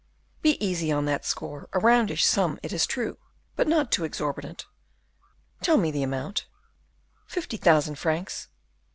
"Be easy on that score; a roundish sum, it is true, but not too exorbitant." "Tell me the amount." "Fifty thousand francs."